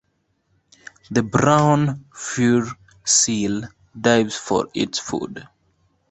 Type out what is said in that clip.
The brown fur seal dives for its food.